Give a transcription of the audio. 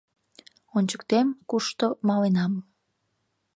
Ончыктем, кушто маленам...